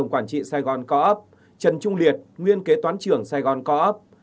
quản trị sài gòn co op trần trung liệt nguyên kế toán trưởng sài gòn co op